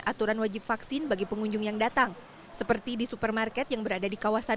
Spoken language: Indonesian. aturan wajib vaksin bagi pengunjung yang datang seperti di supermarket yang berada di kawasan